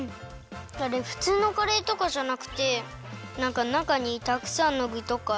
ふつうのカレーとかじゃなくてなんかなかにたくさんのぐとか。